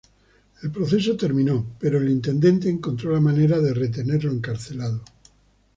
El proceso terminó, pero el intendente encontró la manera de retenerlo encarcelado.